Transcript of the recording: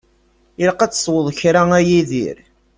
Ilaq ad tesweḍ kra a Yidir.